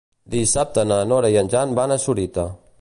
Dissabte na Nora i en Jan van a Sorita.